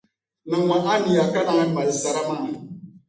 Niŋmi a niya ka naai mali sara maa.